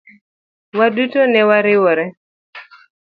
Waduto ne wariwore.